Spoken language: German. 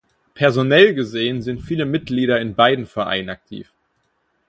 Personell gesehen sind viele Mitglieder in beiden Vereinen aktiv.